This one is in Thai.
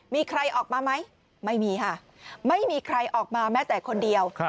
มีใครออกมาไหมไม่มีค่ะไม่มีใครออกมาแม้แต่คนเดียว